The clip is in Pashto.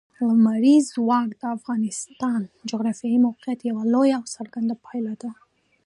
لمریز ځواک د افغانستان د جغرافیایي موقیعت یوه لویه او څرګنده پایله ده.